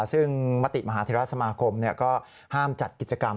ซึ่งมติมหาเทราสมาคมก็ห้ามจัดกิจกรรม